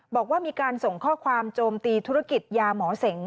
บอกว่ามีการส่งข้อความโจมตีธุรกิจยาหมอเสง